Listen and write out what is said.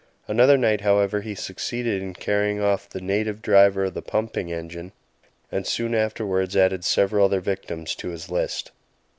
Another night, however, he succeeded in carrying off the native driver of the pumping engine, and soon afterwards added several other victims to his list.